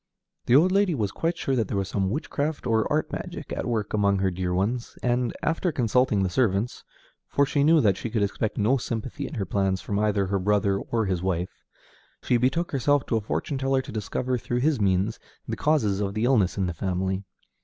The old lady was quite sure that there was some witchcraft or art magic at work among her dear ones, and, after consulting the servants (for she knew that she could expect no sympathy in her plans from either her brother or his wife), she betook herself to a fortune teller to discover through his means the causes of the illness in the family.